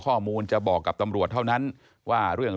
และก็จะรับความจริงของตัวเอง